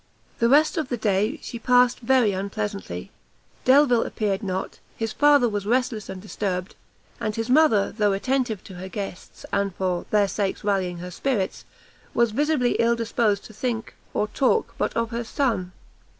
The rest of the day she passed very unpleasantly; Delvile appeared not; his father was restless and disturbed, and his mother, though attentive to her guests, and, for their sakes rallying her spirits, was visibly ill disposed to think or to talk but of her son.